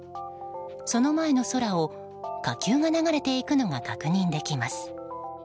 その前の空を、火球が流れていくのが確認できます。